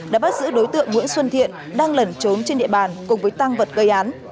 đã bắt giữ đối tượng nguyễn xuân thiện đang lẩn trốn trên địa bàn cùng với tăng vật gây án